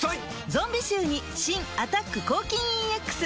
ゾンビ臭に新「アタック抗菌ＥＸ」